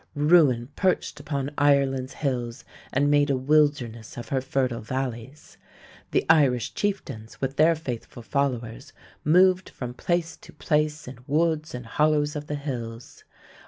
Ruin perched upon Ireland's hills and made a wilderness of her fertile valleys. The Irish chieftains with their faithful followers moved from place to place in woods and hollows of the hills.